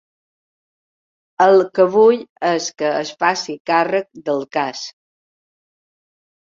El que vull és que es faci càrrec del cas.